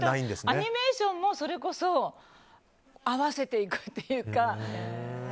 アニメーションもそれこそ合わせていくというか。